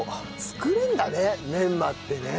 作れるんだねメンマってね。